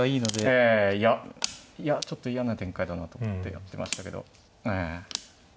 ええいやちょっと嫌な展開だなと思ってやってましたけど。